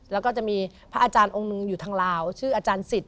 แล้วก็จะมีพระอาจารย์องค์หนึ่งอยู่ทางลาวชื่ออาจารย์สิทธ